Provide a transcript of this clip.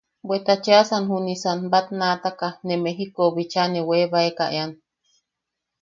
Bweta cheʼasan junisan batnaataka ne Mejikou bicha ne webaeka ean.